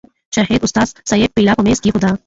شاهد استاذ صېب پياله پۀ مېز کېښوده